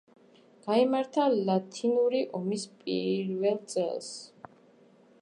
გაიმართა ლათინური ომის პირველ წელს.